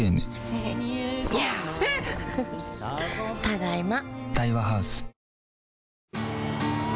ただいま。